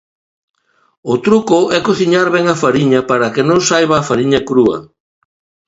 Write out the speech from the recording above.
O truco é cociñar ben a fariña para que non saiba a fariña crúa.